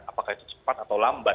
apakah itu cepat atau lambat